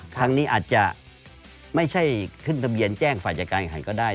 ครั้งนี้อาจจะไม่ใช่ขึ้นทะเบียนแจ้งฝ่ายจัดการแข่งขันก็ได้